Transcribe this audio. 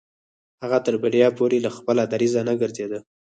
هغه تر بريا پورې له خپل دريځه نه ګرځېده.